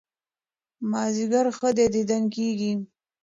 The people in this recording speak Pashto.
مازيګر ښه دى ديدن کېږي